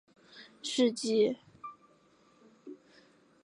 这一局面持续了近两个世纪。